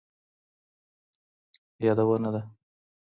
یادونه ده